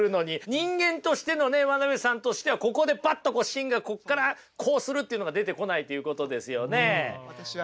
人間としてのね真鍋さんとしてはここでパッとこう芯がここからこうするっていうのが出てこないということですよね。